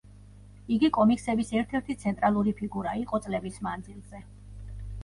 იგი კომიქსების ერთ-ერთი ცენტრალური ფიგურა იყო წლების მანძილზე.